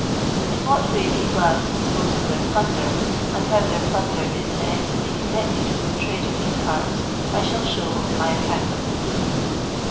In what way these lads dispose of their plunder, and how their plunder is in any wny connected with the trade of these parts, I shall show in my account of the Thieves.